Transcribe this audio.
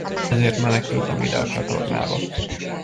Ezért menekültem ide, a csatornába.